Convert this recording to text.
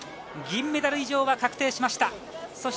銀メダル以上が確定しました。